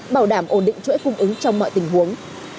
bảo đảm ổn định chuỗi cung ứng trong mọi tình huống